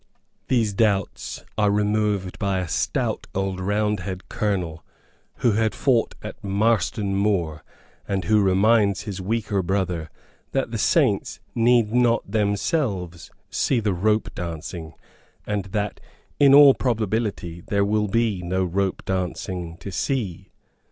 These doubts are removed by a stout old Roundhead colonel who had fought at Marston Moor, and who reminds his weaker brother that the saints need not themselves see the ropedancing, and that, in all probability, there will be no ropedancing to see.